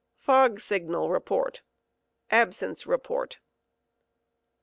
Fog signal report Absence report.